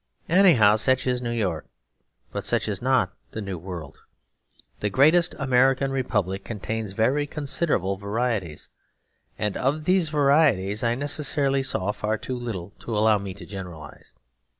Anyhow, such is New York; but such is not the New World. The great American Republic contains very considerable varieties, and of these varieties I necessarily saw far too little to allow me to generalise.